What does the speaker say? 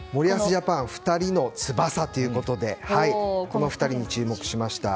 ジャパン２人の翼ということでこの２人に注目しました。